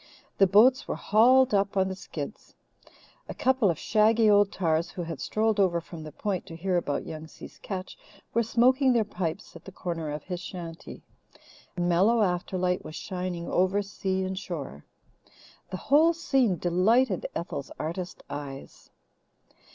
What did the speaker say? The boats were hauled up on the skids. A couple of shaggy old tars, who had strolled over from the Point to hear about Young Si's catch, were smoking their pipes at the corner of his shanty. A mellow afterlight was shining over sea and shore. The whole scene delighted Ethel's artist eyes.